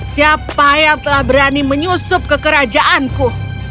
siapa yang telah berani menyusup ke kerajaanku